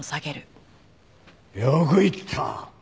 よく言った！